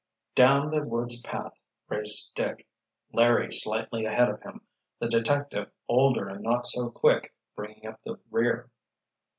Down the wood's path raced Dick, Larry slightly ahead of him, the detective, older and not so quick, bringing up the rear.